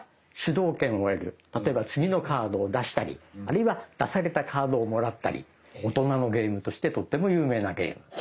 例えば次のカードを出したりあるいは出されたカードをもらったり大人のゲームとしてとっても有名なゲーム。は。